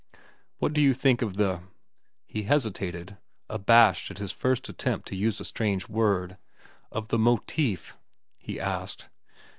"What did you think of the—" He hesitated, abashed at his first attempt to use a strange word. "Of the motif?" he asked.